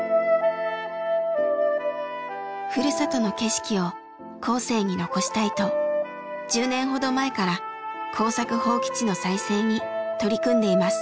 ふるさとの景色を後世に残したいと１０年ほど前から耕作放棄地の再生に取り組んでいます。